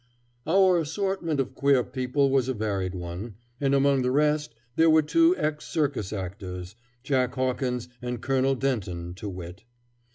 Our assortment of queer people was a varied one, and among the rest there were two ex circus actors, Jack Hawkins and Colonel Denton, to wit.